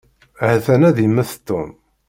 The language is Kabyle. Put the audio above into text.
Ha-t-an ad immet Tom.